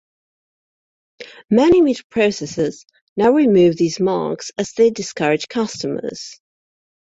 Many meat processors now remove these marks as they discourage customers.